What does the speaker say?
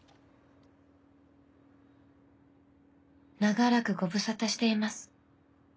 「長らくご無沙汰しています。